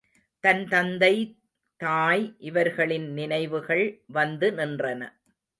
தன் தந்தை தாய் இவர்களின் நினைவுகள் வந்து நின்றன.